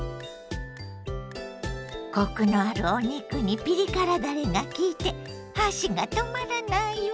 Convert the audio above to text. コクのあるお肉にピリ辛だれがきいて箸が止まらないわ！